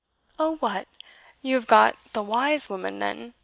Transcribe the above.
"Oh, what! you have got the wise woman, then?"